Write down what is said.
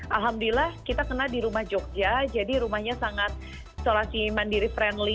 alhamdulillah kita kena di rumah jogja jadi rumahnya sangat isolasi mandiri friendly